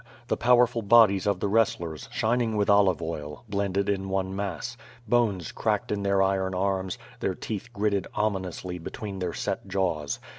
The powerful bodies of the wrestlers, shining with olive oil, blended in one mass; bones cracked in their iron arms, their teeth gritted ominously between their set jaws.